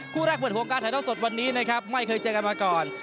คู่แรกเปิดหัวการถ่ายเท่าสดวันนี้นะครับไม่เคยเจอกันมาก่อน